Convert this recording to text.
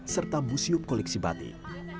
serta museum koleksi batik